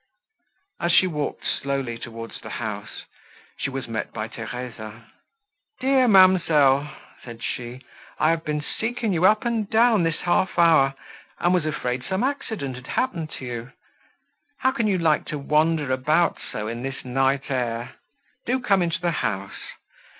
As she walked slowly towards the house, she was met by Theresa. "Dear ma'amselle," said she, "I have been seeking you up and down this half hour, and was afraid some accident had happened to you. How can you like to wander about so in this night air! Do come into the house.